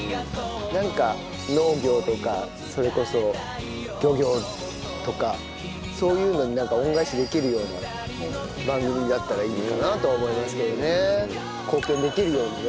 なんか農業とかそれこそ漁業とかそういうのに恩返しできるような番組になったらいいかなと思いますけどね。